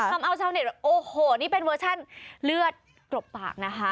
ทำเอาชาวเน็ตโอ้โหนี่เป็นเวอร์ชันเลือดกรบปากนะคะ